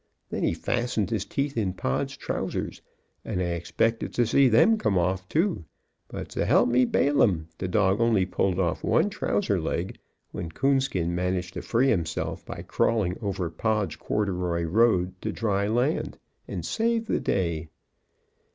Then he fastened his teeth in Pod's trousers, and I expected to see them come off too, but s' help me Balaam! the dog only pulled off one trouser leg, when Coonskin managed to free himself by crawling over Pod's corduroy road to dry land, and saved the day!